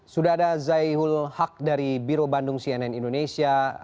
sudah ada zaihul haq dari biro bandung cnn indonesia